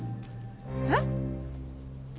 えっ？